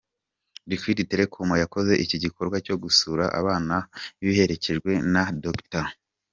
Liquid Telecom yakoze iki gikorwa cyo gusura aba bana iherekejwe na Dr.